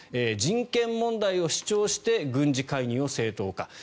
人権問題を主張して軍事介入を正当化。